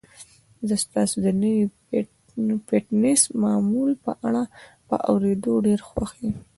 زه ستاسو د نوي فټنس معمول په اړه په اوریدو ډیر خوښ یم.